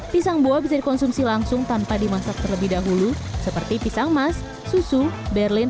pisang buah bisa dikonsumsi langsung tanpa dimasak terlebih dahulu seperti pisang emas susu berlin